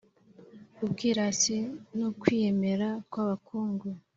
Ubwirasi n’ukwiyemera kw’abakungu